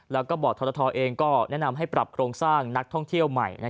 แล้วก็บอกทรทเองก็แนะนำให้ปรับโครงสร้างนักท่องเที่ยวใหม่